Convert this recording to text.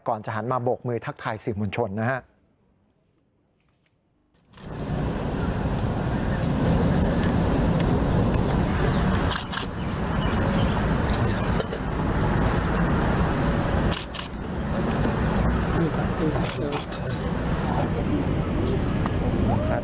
ก่อนจะหันมาโบกมือทักทายสื่อมวลชนนะครับ